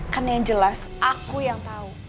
karena yang jelas aku yang tau